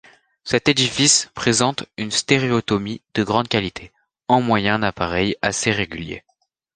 Cet édifice présente une stéréotomie de grande qualité en moyen appareil assez régulier.